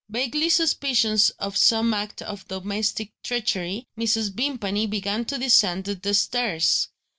Vaguely suspicions of some act of domestic treachery, Mrs. Vimpany began to descend the stairs.